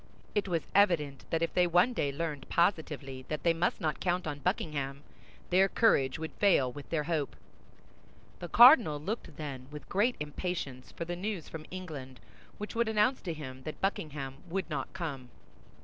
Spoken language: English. It was evident that if they one day learned positively that they must not count on Buckingham, their courage would fail with their hope. The cardinal looked, then, with great impatience for the news from England which would announce to him that Buckingham would not come.